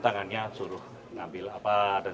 dari pengamanan presiden